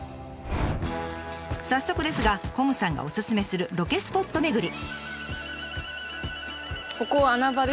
早速ですがこむさんがおすすめするロケスポット巡り！